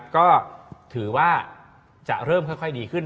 ก็ถือว่าจะเริ่มค่อยดีขึ้น